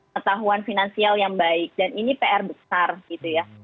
pengetahuan finansial yang baik dan ini pr besar gitu ya